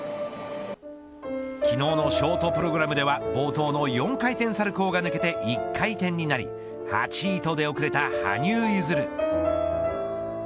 昨日のショートプログラムでは冒頭の４回転サルコウが抜けて１回転になり８位と出遅れた羽生結弦。